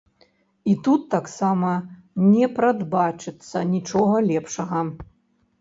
І тут таксама не прадбачыцца нічога лепшага.